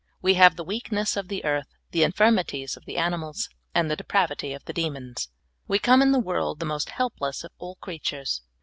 We have the weakness of the earth, the infirmities of the animals, and the de pravity of the demons. We come in the world the most helpless of all creatures.